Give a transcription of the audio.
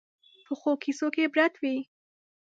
پخو کیسو کې عبرت وي